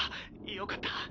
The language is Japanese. よかった。